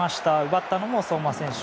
奪ったのも相馬選手。